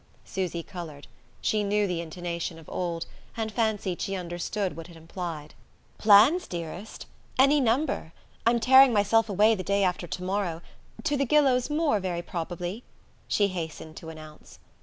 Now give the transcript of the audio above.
Susy coloured: she knew the intonation of old, and fancied she understood what it implied. "Plans, dearest? Any number... I'm tearing myself away the day after to morrow... to the Gillows' moor, very probably," she hastened to announce.